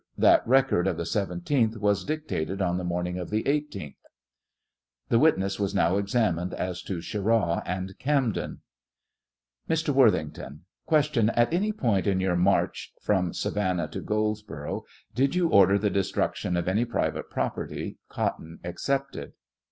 That record of the 17th was dictated on the* morning of the 18th. The witness was now examined as to Cheraw and Camden.) SfC ?fl *jC 5p Jp 36 Mr. Worthington : Q. At any point in your march from Savannah to Goldsborough, did you order the destruction of any private property, cotton excepted